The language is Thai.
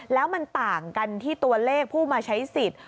แล้วมันต่างกันที่ตัวเลขผู้มาใช้สิทธิ์